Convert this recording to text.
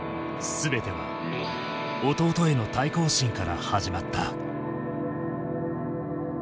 全ては弟への対抗心から始まった。